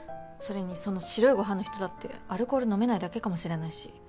それにその白いご飯の人だってアルコール飲めないだけかもしれないし。